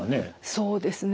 そうですね。